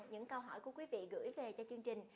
những câu hỏi của quý vị gửi về cho chương trình